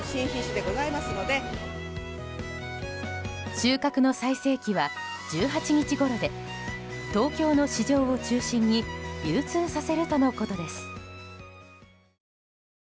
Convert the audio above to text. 収穫の最盛期は１８日ごろで東京の市場を中心に流通させるとのことです。